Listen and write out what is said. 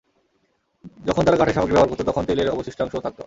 যখন তারা কাঠের সামগ্রী ব্যবহার করত, তখন তেলের অবশিষ্টাংশও থাকত।